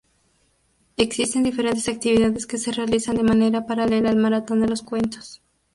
Existen diferentes actividades que se realizan de manera paralela al Maratón de los Cuentos.